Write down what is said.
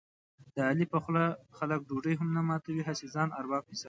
د علي په خوله خلک ډوډۍ هم نه ماتوي، هسې ځان ارباب حسابوي.